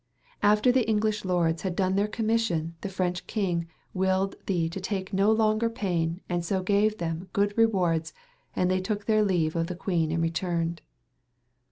After the English lordes had done ther commission the French kynge wylled the to take no lenger payne & so gaue to theim good rewardes and they toke ther leaue of the quene and returned.